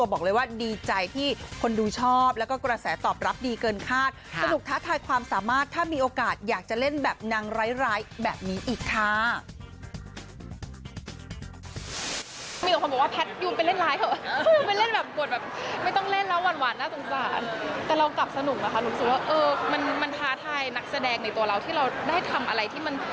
เมียน้อยสุดแทบอย่างนี้